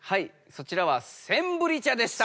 そちらはセンブリ茶でした！